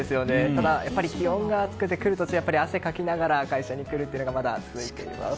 ただ、やっぱり気温が暑くて来る途中ちょっと汗をかきながら会社に来るというのがまだ続いています。